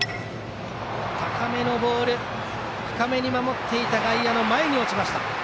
高めのボールが深めに守っていた外野の前に落ちました。